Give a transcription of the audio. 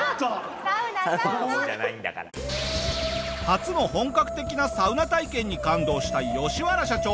初の本格的なサウナ体験に感動したヨシワラ社長。